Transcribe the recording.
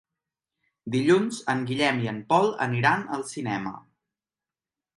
Dilluns en Guillem i en Pol aniran al cinema.